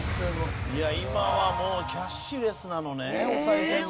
いや今はもうキャッシュレスなのねお賽銭も。